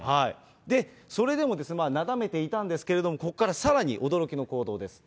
それでもなだめていたんですけれども、ここからさらに驚きの行動です。